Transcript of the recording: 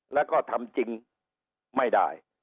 แล้วก็ทำจริงไม่ได้